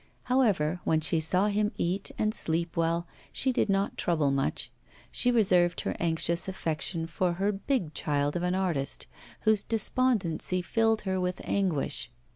However, when she saw him eat and sleep well she did not trouble much; she reserved her anxious affection for her big child of an artist, whose despondency filled her with anguish.